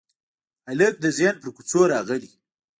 هلک د ذهن پر کوڅو راغلی